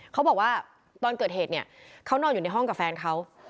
เขาบอกว่าตอนเกิดเหตุเนี่ยเขานอนอยู่ในห้องกับแฟนเขา